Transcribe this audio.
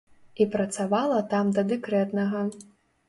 І працавала там да дэкрэтнага.